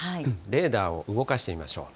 レーダーを動かしてみましょう。